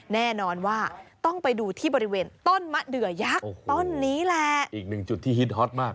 แน่นอนว่าต้องไปดูที่บริเวณต้นมะเดือยักษ์ต้นนี้แหละอีกหนึ่งจุดที่ฮิตฮอตมาก